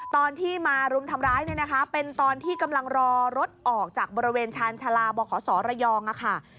ตอนที่มารุมทำร้ายเนี่ยนะคะเป็นตอนที่กำลังรอรถออกจากบริเวณชาญชาลาบขศระยองค่ะ